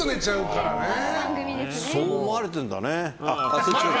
そう思われてるんだね。